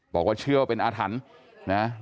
บอกว่าเชื่อว่าเป็นอาถรรพ์นะ